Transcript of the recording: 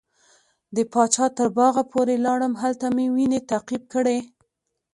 د پاچا تر باغه پورې لاړم هلته مې وینې تعقیب کړې.